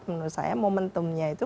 menurut saya momentumnya itu